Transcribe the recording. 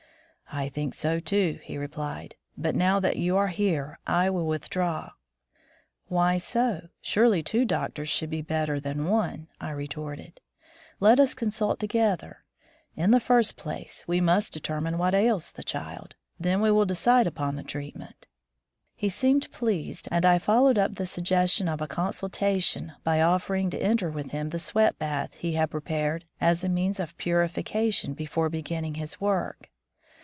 "I think so too," he replied, "but now that you are here, I will withdraw." "Why so? Surely two doctors should be better than one," I retorted. "Let us con sult together. In the first place, we must determine what ails the child. Then we will decide upon the treatment." He seemed pleased, and I followed up the suggestion of a consultation by oflfering to enter with him the sweat bath he had prepared as a means of purification before beginning his work.